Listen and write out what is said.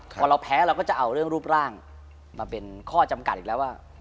พอเราแพ้เราก็จะเอาเรื่องรูปร่างมาเป็นข้อจำกัดอีกแล้วว่า